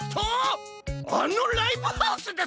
あのライブハウスですな！